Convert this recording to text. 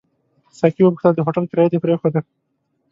ساقي وپوښتل: د هوټل کرایه دې پرېښوده؟